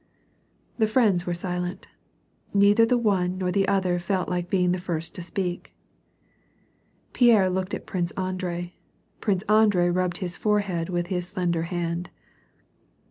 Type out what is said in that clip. The friends were silent. Neither the one nor the other felt like being the first to speak. Pierre looked at Prince Andrei ; Prince Andrei rubbed his forehead with his slender hand.